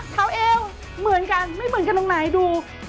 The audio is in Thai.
เหมือนกันไม่เหมือนกันตรงไหนดู